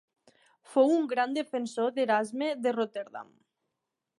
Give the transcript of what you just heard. Fou un gran defensor d'Erasme de Rotterdam.